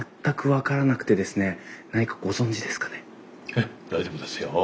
ええ大丈夫ですよ。